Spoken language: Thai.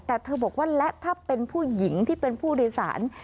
แต่เธอบอกว่าและถ้าเป็นผู้หญิงที่เป็นผู้โดยสาร